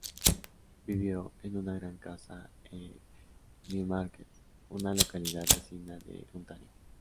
Vivió en una gran casa en Newmarket, una localidad vecina de Ontario.